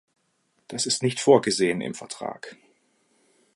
Das ist nicht vorgesehen im Vertrag.